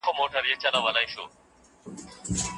مالیات څنګه ټاکل کیږي؟